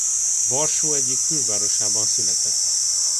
Varsó egyik külvárosában született.